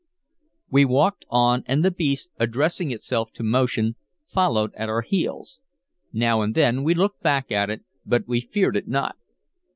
We walked on, and the beast, addressing itself to motion, followed at our heels. Now and then we looked back at it, but we feared it not.